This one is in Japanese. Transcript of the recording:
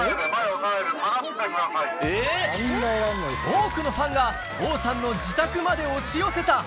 多くのファンが王さんの自宅まで押し寄せた！